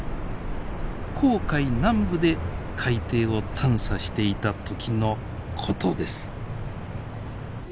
紅海南部で海底を探査していた時のことです。